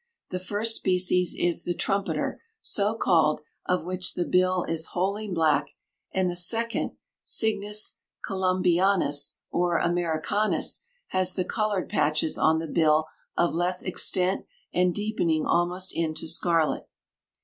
The first species is the trumpeter, so called, of which the bill is wholly black, and the second (Cygnus columbianus, or americanus) has the colored patches on the bill of less extent and deepening almost into scarlet.